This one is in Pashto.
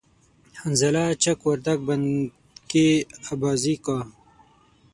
حنظله چک وردگ بند کی آبازی کا